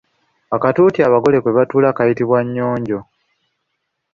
Akatuuti abagole kwe batuula kayitibwa nnyonjo.